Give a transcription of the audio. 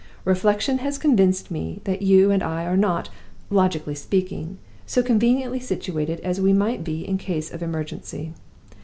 Reflection has convinced me that you and I are not (logically speaking) so conveniently situated as we might be in case of emergency.